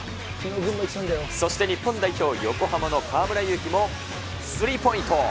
そして日本代表、横浜の河村勇輝もスリーポイント。